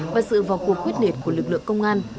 và sự vào cuộc quyết liệt của lực lượng công an